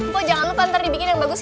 po jangan lupa ntar dibikin yang bagus ya